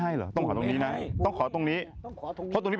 ไอ้แป้งติดตามตรงนี้